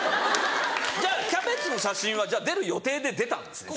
じゃあキャベツの写真は出る予定で出たんですね